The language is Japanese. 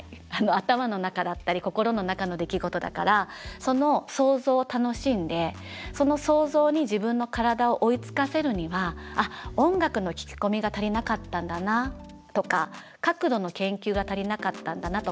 頭の中だったり心の中の出来事だからその想像を楽しんでその想像に自分の体を追いつかせるには音楽の聴き込みが足りなかったんだなとか角度の研究が足りなかったんだなとか。